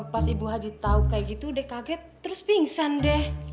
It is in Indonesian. pas ibu haji tahu kayak gitu deh kaget terus pingsan deh